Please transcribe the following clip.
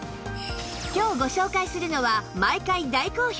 今日ご紹介するのは毎回大好評！